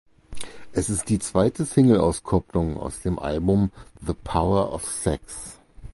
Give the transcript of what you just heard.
Es ist die zweite Singleauskopplung aus dem Album "The Power of Sex".